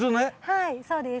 はいそうです。